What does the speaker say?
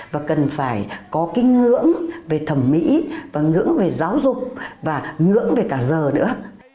và cần phải có cái ngưỡng về thẩm mỹ và ngưỡng về giáo dục và ngưỡng về cả giờ nữa